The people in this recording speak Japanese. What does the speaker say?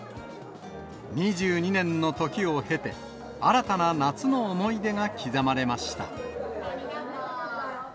２２年の時を経て、新たな夏の思い出が刻まれました。